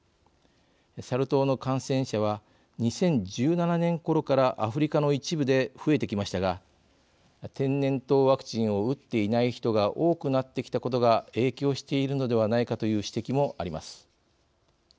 サル痘の感染者は２０１７年ころからアフリカの一部で増えてきましたが天然痘ワクチンを打っていない人が多くなってきたことが影響しているのではないかという指摘もあります。